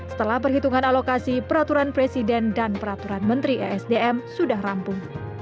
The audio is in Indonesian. setelah perhitungan alokasi peraturan presiden dan peraturan menteri esdm sudah rampung